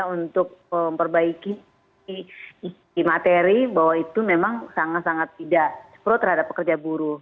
untuk memperbaiki isi materi bahwa itu memang sangat sangat tidak pro terhadap pekerja buruh